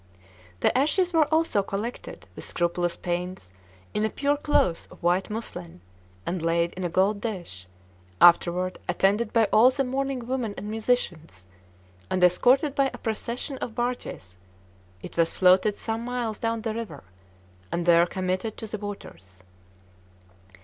The ashes were also collected with scrupulous pains in a pure cloth of white muslin, and laid in a gold dish; afterward, attended by all the mourning women and musicians, and escorted by a procession of barges, it was floated some miles down the river, and there committed to the waters.